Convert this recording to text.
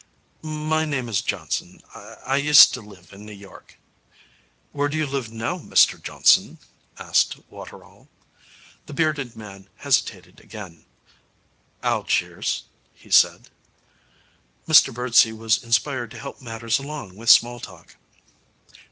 'My name is Johnson. I used to live in New York.' 'Where do you live now, Mr Johnson?' asked Waterall. The bearded man hesitated again. 'Algiers,' he said. Mr Birdsey was inspired to help matters along with small talk.